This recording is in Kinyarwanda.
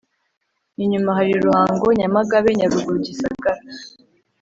Inyuma hari ruhango nyamagabe nyaruguru gisagara